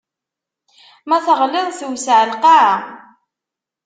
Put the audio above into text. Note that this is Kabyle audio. Ma teɣliḍ tewseɛ lqaɛa.